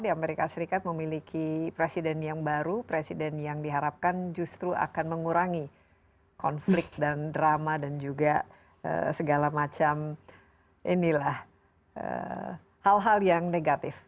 di amerika serikat memiliki presiden yang baru presiden yang diharapkan justru akan mengurangi konflik dan drama dan juga segala macam hal hal yang negatif